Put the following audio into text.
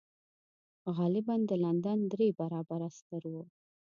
غالباً د لندن درې برابره ستر و.